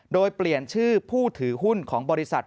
โดยเปลี่ยนชื่อผู้ถือหุ้นของบริษัท